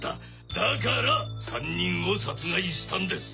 だから３人を殺害したんです。